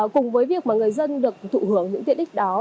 cùng với việc người dân được thụ hưởng những tiện đích đó